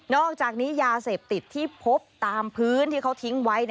อกจากนี้ยาเสพติดที่พบตามพื้นที่เขาทิ้งไว้